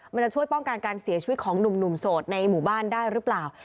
มันจะช่วยป้องกันการเสียชีวิตของหนุ่มโสดในหมู่บ้านได้หรือเปล่า